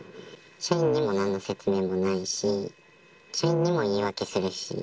社員にもなんの説明もないし、社員にも言い訳するし。